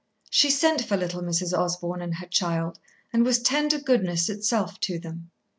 She sent for little Mrs. Osborn and her child, and was tender goodness itself to them.